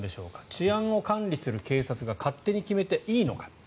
治安を管理する警察が勝手に決めていいのか。